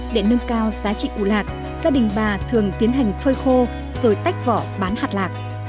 để nâng cao giá trị ủ lạc gia đình bà thường tiến hành phơi khô rồi tách vỏ bán hạt lạc